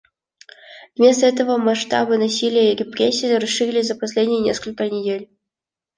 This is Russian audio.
Вместо этого масштабы насилия и репрессий расшились за последние несколько недель.